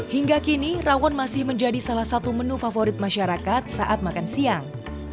hingga kini rawon masih menjadi salah satu menu favorit masyarakat saat makan siang